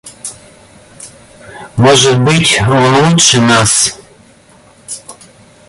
Может быть, он лучше нас.